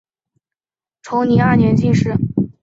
崇宁二年进士。